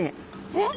えっ！？